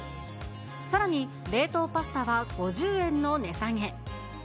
さらに、冷凍パスタは５０円の値下げ。